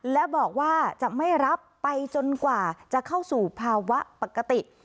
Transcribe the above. และบอกว่าจะไม่รับไปจนกว่าจะเข้าสู่ภาวะปกติ